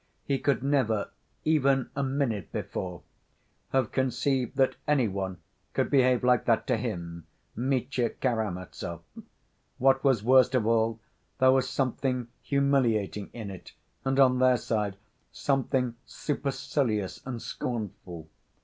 He could never, even a minute before, have conceived that any one could behave like that to him, Mitya Karamazov. What was worst of all, there was something humiliating in it, and on their side something "supercilious and scornful."